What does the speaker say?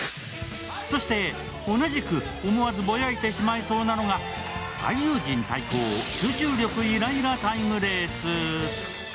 そして同じく思わずぼやいてしまいそうなのが俳優陣対抗、「集中力イライラタイムレース」。